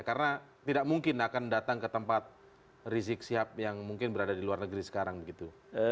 karena tidak mungkin akan datang ke tempat rizik sihab yang mungkin berada di luar negeri sekarang begitu